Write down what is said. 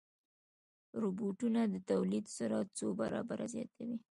روبوټونه د تولید سرعت څو برابره زیاتوي.